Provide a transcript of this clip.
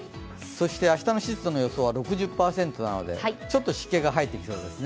明日の湿度の予想は６０％なので、ちょっと湿気が入ってきそうですね。